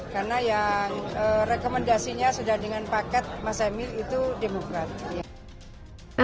karena yang rekomendasinya sudah dengan paket mas emil itu demokrat